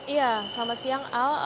iya selamat siang al